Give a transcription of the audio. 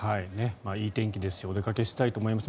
いい天気ですしお出かけしたいと思います。